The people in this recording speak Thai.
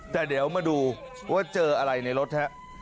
แต่เดี๋ยวมาดูว่าเจออะไรในรถฮะ